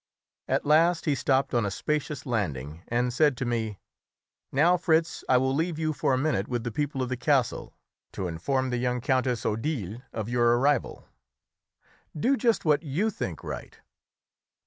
At last he stopped on a spacious landing, and said to me "Now, Fritz, I will leave you for a minute with the people of the castle to inform the young Countess Odile of your arrival." "Do just what you think right."